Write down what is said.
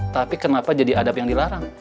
tapi kenapa jadi adab yang dilarang